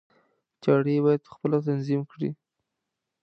چارې یې باید په خپله تنظیم کړي.